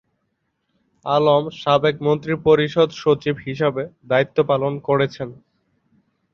আলম সাবেক মন্ত্রিপরিষদ সচিব হিসেবে দায়িত্ব পালন করেছেন।